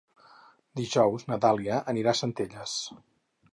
Dijous na Dàlia anirà a Centelles.